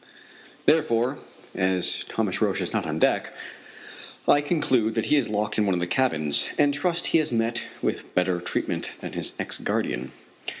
Therefore, as Roch is not on deck, I conclude that he is locked in one of the cabins, and trust he has met with better treatment than his ex guardian.